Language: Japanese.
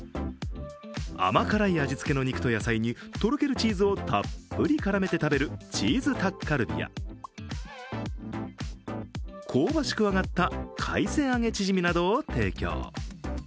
甘辛い味付けの肉と野菜に、とろけるチーズをたっぷり絡めて食べるチーズタッカルビや香ばしく揚がった海鮮揚げチヂミなどを提供。